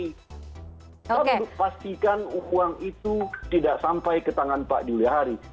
kita untuk pastikan uang itu tidak sampai ke tangan pak juliahari